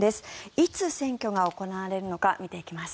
いつ選挙が行われるのか見ていきます。